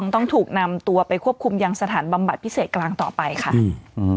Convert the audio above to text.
ต้องถูกนำตัวไปควบคุมยังสถานบำบัดพิเศษกลางต่อไปค่ะอืม